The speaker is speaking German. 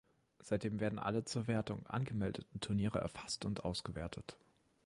Seitdem werden alle zur Wertung angemeldeten Turniere erfasst und ausgewertet.